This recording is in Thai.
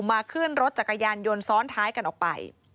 ขึ้นรถจักรยานยนต์ซ้อนท้ายกันออกไป